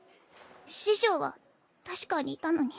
師匠は確かにいたのに。